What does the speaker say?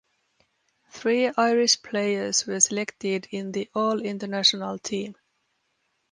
Three Irish players were selected in the All-International team.